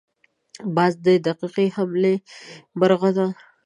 باز د دقیقې حملې مرغه دی